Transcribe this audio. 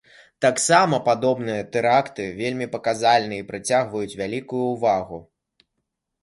Таксама падобныя тэракты вельмі паказальныя і прыцягваюць вялікую ўвагу.